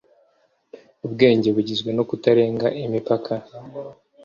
ubwenge bugizwe no kutarenga imipaka